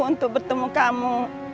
untuk bertemu kamu